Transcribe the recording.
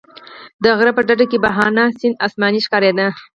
د غره په ډډه کې بهاند سیند اسماني ښکارېده.